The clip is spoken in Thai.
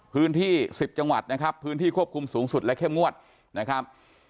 ๑๐จังหวัดนะครับพื้นที่ควบคุมสูงสุดและเข้มงวดนะครับ